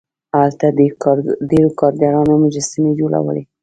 هلته ډیرو کارګرانو مجسمې جوړولې.